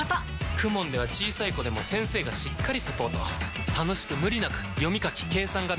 ＫＵＭＯＮ では小さい子でも先生がしっかりサポート楽しく無理なく読み書き計算が身につきます！